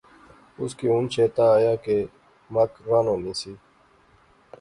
اُس کی ہن چیتا آیا کہ مک رانو نی سی